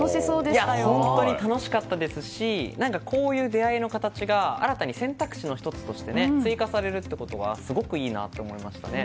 本当に楽しかったですしこういう出会いの形が新たに選択肢の１つとして追加されるってことはすごくいいなと思いました。